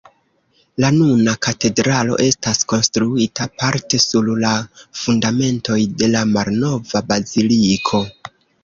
La nuna katedralo estas konstruita parte sur la fundamentoj de la malnova baziliko.